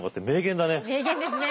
名言ですね。